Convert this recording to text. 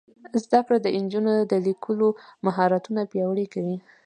زده کړه د نجونو د لیکلو مهارتونه پیاوړي کوي.